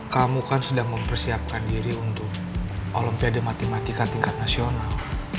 kamu kan sedang mempersiapkan diri untuk olimpiade matematika tingkat nasional